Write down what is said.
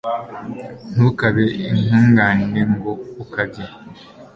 ntukabe intungane ngo ukabye.